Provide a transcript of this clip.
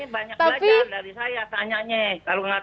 makanya banyak belajar dari saya tanyanya kalau nggak tahu